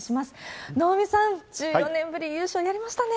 能見さん、１４年ぶり優勝、やりましたね。